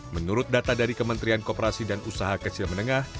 menurut data dari kementerian kooperasi dan usaha kecil menengah